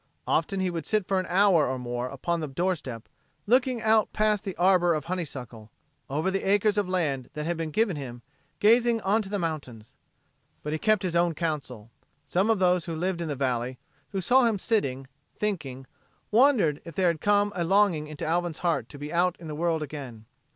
Often he would sit for an hour or more upon the door step, looking out past the arbor of honeysuckle, over the acres of land that had been given him, gazing on to the mountains. But he kept his own counsel. Some of those who lived in the valley, who saw him sitting, thinking, wondered if there had come a longing into Alvin's heart to be out in the world again.